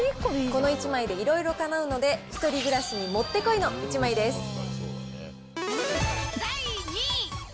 この１枚でいろいろかなうので、１人暮らしにもってこいの１枚です。